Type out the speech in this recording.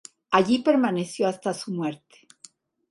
Allí permaneció hasta su muerte.